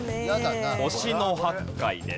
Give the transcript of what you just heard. おし野八海です。